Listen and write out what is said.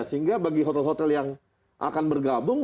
sehingga bagi hotel hotel yang akan bergabung